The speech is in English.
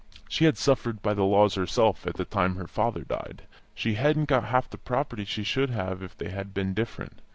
She had suffered by the laws herself, at the time her father died; she hadn't got half the prop'ty she should have got if they had been different.